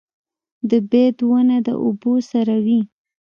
د بید ونه د اوبو سره وي